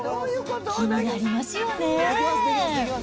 気になりますよねー。